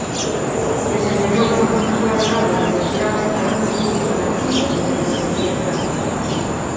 Desempeñou como profesor agregado da universidade algúns cursos de latín e de Dialectoloxía española.